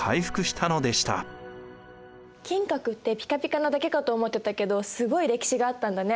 金閣ってピカピカなだけかと思ってたけどすごい歴史があったんだね。